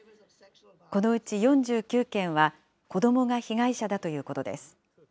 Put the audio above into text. このうち４９件は、子どもが被害者だということです。